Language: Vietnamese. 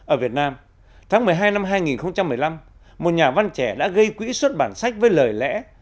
ở việt nam tháng một mươi hai năm hai nghìn một mươi năm một nhà văn trẻ đã gây quỹ xuất bản sách với lời lẽ